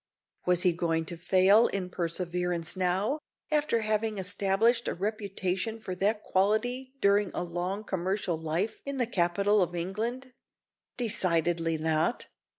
Was he going to fail in perseverance now, after having established a reputation for that quality during a long commercial life in the capital of England? Decidedly not.